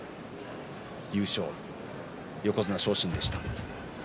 優勝で横綱昇進でした。